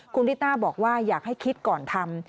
คุณลิต้าบอกว่าอยากให้คิดก่อนทำ